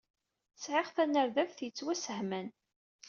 Sɛiɣ tanerdabt yettwasseḥman.